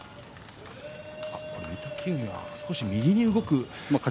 御嶽海が少し右に動いた。